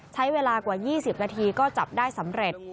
ใช้เวลากว่า๒๐นาทีก็จับได้สำเร็จ